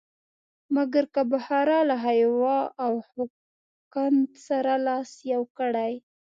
مګر که بخارا له خیوا او خوقند سره لاس یو کړي.